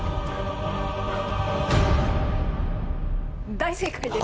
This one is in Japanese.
大正解です。